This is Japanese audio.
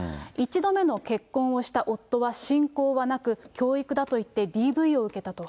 １度目の結婚をした夫は信仰はなく、教育だといってＤＶを受けたと。